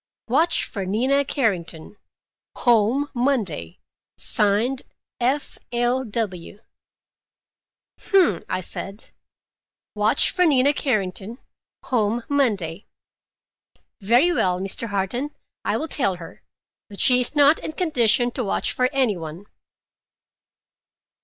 "'Watch for Nina Carrington. Home Monday. Signed F. L. W.'" "Hum!" I said. "'Watch for Nina Carrington. Home Monday.' Very well, Mr. Harton, I will tell her, but she is not in condition to watch for any one."